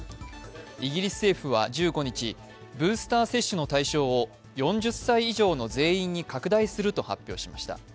イギリス政府は１５日、ブースター接種の対象を４０歳以上の全員に拡大すると発表しました。